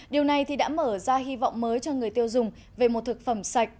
điều này đã mở ra hy vọng mới cho người tiêu dùng về một thực phẩm sạch